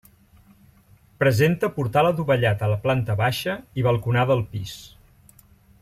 Presenta portal adovellat a la planta baixa i balconada al pis.